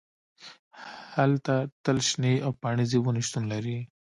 هلته تل شنې او پاڼریزې ونې شتون لري